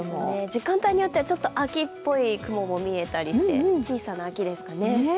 時間帯によってはちょっと秋っぽい雲も見えたりして小さな秋ですかね。